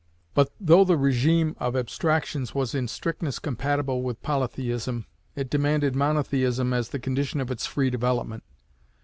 But though the régime of abstractions was in strictness compatible with Polytheism, it demanded Monotheism as the condition of its free development.